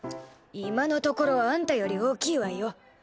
今のところあんたより大きいわよ。